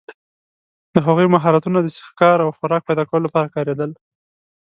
د هغوی مهارتونه د ښکار او خوراک پیداکولو لپاره کارېدل.